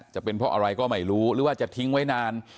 จะเป็นเพราะอะไรก็ไม่รู้หรือว่าจะทิ้งไว้นาน